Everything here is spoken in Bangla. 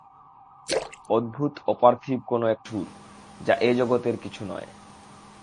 অদ্ভুত অপার্থিব কোনো-একটা সুর-যা এ জগতের কিছু নয়।